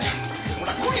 ほら来い！